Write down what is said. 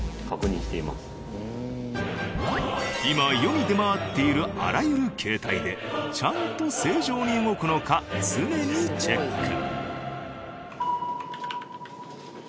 今世に出回っているあらゆる携帯でちゃんと正常に動くのか常にチェック。